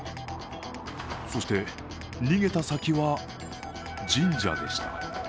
そして、逃げた先は神社でした。